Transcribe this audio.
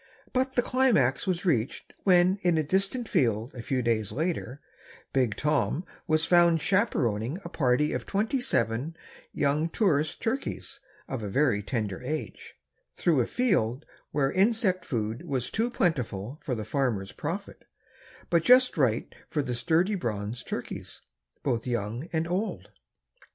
But the climax was reached when in a distant field a few days later Big Tom was found chaperoning a party of twenty seven young tourist turkeys of a very tender age, through a field where insect food was too plentiful for the farmer's profit, but just right for sturdy bronze turkeys, both young and old.